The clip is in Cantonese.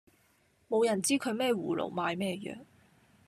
無人知佢咩葫蘆賣咩藥